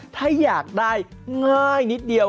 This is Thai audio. ถ้าอยากได้ง่ายนิดเดียว